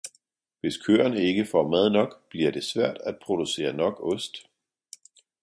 Hvis køerne ikke får mad nok, bliver det svært at producere nok ost.